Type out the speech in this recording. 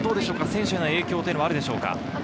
選手への影響はあるでしょうか？